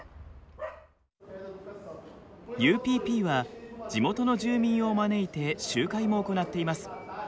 ＵＰＰは地元の住民を招いて集会も行っています。